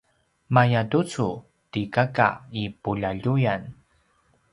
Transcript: mayatucu ti kaka i puljaljuyan